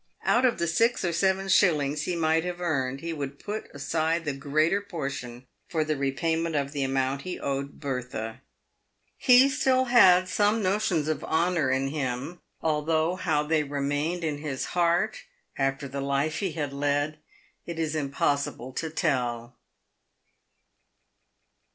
198 PAYED WITH GOLD. Out of the six or seven shillings he might have earned he would put aside the greater portion. for the repayment of the amouut he owed Bertha. He still had some notions of honour in him, although how they remained in his heart, after the life he had led, it is im possible to tell.